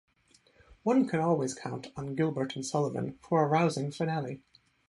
One can always count on Gilbert and Sullivan for a rousing finale.